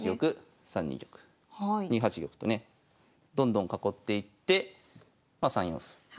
２八玉とねどんどん囲っていってま３四歩。